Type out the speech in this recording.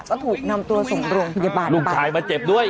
ก็ถูกนำตัวส่งโรงพยาบาลลูกชายมาเจ็บด้วย